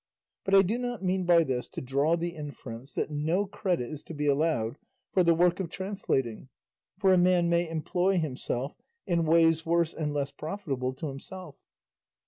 But I do not mean by this to draw the inference that no credit is to be allowed for the work of translating, for a man may employ himself in ways worse and less profitable to himself.